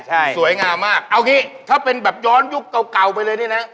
ใช่ถูกต้องสวยงามมากเอาอย่างนี้ถ้าเป็นแบบย้อนยุคเก่าไปเลยนี่นะ